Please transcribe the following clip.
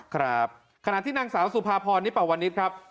ครับขณะที่นางสาวสุภาพรนิปวนิษฐ์ครับ